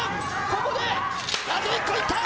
ここであと１個いった！